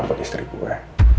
buat istri gue